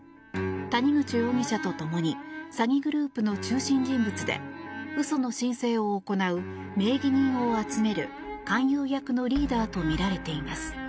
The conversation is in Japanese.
谷口容疑者と共に詐欺グループの中心人物で嘘の申請を行う名義人を集める勧誘役のリーダーとみられています。